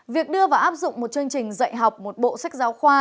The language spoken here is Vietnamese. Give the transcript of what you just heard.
việc đưa vào áp dụng một chương trình dạy học một bộ sách giáo khoa